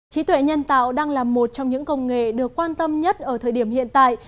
trí tuệ nhân tạo đang là một trong những công nghệ được quan tâm nhất ở thời điểm hiện tại